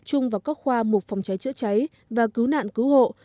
cảnh sát phòng cháy chữa cháy và cứu nạn cứu hổ